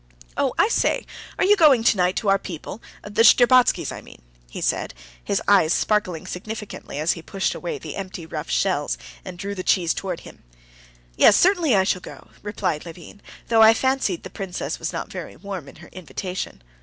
"Oh, I say, are you going tonight to our people, the Shtcherbatskys', I mean?" he said, his eyes sparkling significantly as he pushed away the empty rough shells, and drew the cheese towards him. "Yes, I shall certainly go," replied Levin; "though I fancied the princess was not very warm in her invitation."